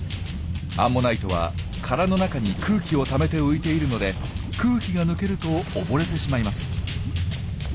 アンモナイトは殻の中に空気をためて浮いているので空気が抜けると溺れてしまいます。